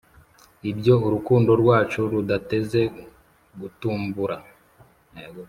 ibyo urukundo rwacu rudateze gutumbur